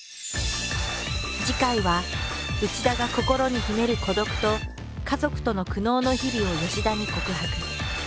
次回は内田が心に秘める孤独と家族との苦悩の日々を田に告白。